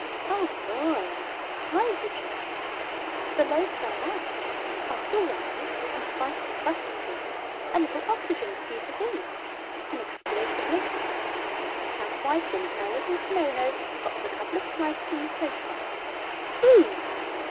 "Oh, boy hydrogen! The loaf's unwrapped. After a while, in spite of the crust seal, a little oxygen diffuses in. An explosive mixture. Housewife in curlers and kimono pops a couple slices in the toaster. Boom!"